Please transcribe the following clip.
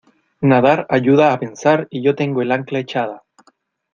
nadar ayuda a pensar y yo tengo el ancla echada.